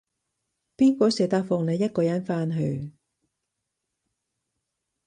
邊個捨得放你一個人返去